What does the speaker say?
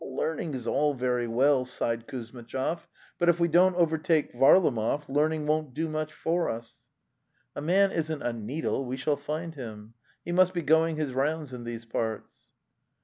'Learning is all very well," sighed Kuzmitchov, 'but if we don't overtake Varlamov, learning won't do much for us." The Steppe iri '* A man isn't a needle — we shall find him. He must be going his rounds in these parts."